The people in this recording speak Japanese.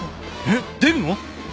えっ出るの？